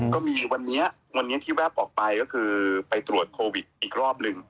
ก็มีวันนี้วันนี้ที่แป๊บออกไปก็คือไปตรวจโควิดอีกรอบหนึ่ง